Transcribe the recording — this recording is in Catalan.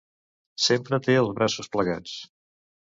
Sempre té els braços plegats.